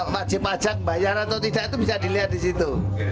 wajib pajak bayar atau tidak itu bisa dilihat di situ